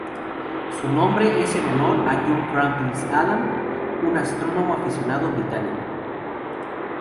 Su nombre es en honor a John Franklin Adams, un astrónomo aficionado británico.